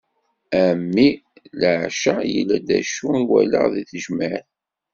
A mmi leɛca! yella d acu twalaḍ deg tejmaɛt?